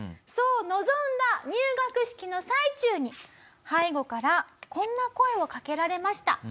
そう臨んだ入学式の最中に背後からこんな声をかけられました。